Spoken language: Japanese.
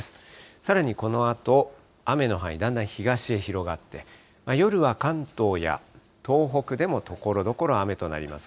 さらにこのあと、雨の範囲、だんだん東へ広がって、夜は関東や東北でもところどころ雨となります。